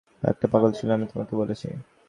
সে একটা পাগল ছিল, আমি তোমাকে বলেছি।